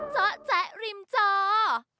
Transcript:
เจ้าแจ๊ะริมเจ้า